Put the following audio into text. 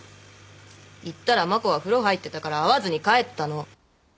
行ったら真子は風呂入ってたから会わずに帰ったの。